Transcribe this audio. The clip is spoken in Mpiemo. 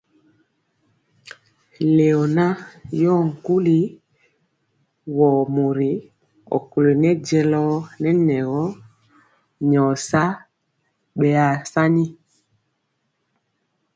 Leona yoo kuli wo mir mori ɔkuli nɛ jelor nɛ nɛgɔ nyor sao beasani.